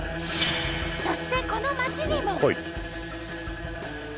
そしてこの街にも。